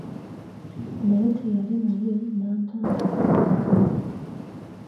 Naye teyali mubi n'anta nzire eka.